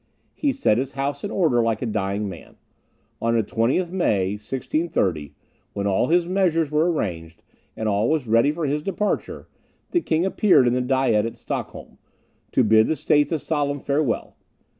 He set his house in order like a dying man. On the 20th May, 1630, when all his measures were arranged, and all was ready for his departure, the King appeared in the Diet at Stockholm, to bid the States a solemn farewell.